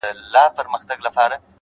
پوه انسان تل زده کوونکی وي،